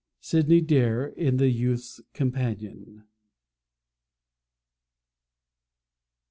SYDNEY DAYRE, in The Youth's Companion.